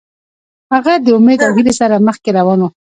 هغه د امید او هیلې سره مخکې روان و.